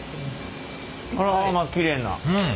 あらまあきれいな。